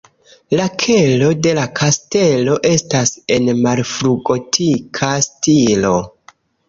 La kelo de la kastelo estas en malfrugotika stilo.